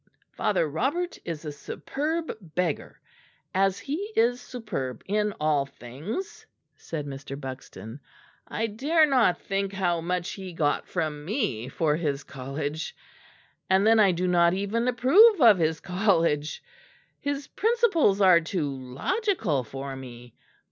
"Father Robert is a superb beggar as he is superb in all things," said Mr. Buxton. "I dare not think how much he got from me for his college; and then I do not even approve of his college. His principles are too logical for me.